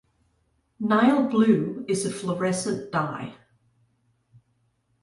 Nile blue is a fluorescent dye.